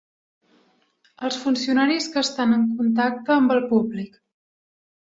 Els funcionaris que estan en contacte amb el públic.